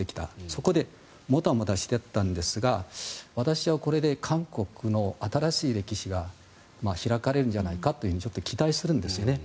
そこでもたもたしていたんですが私はこれで韓国の新しい歴史が開かれるんじゃないかとちょっと期待するんですね。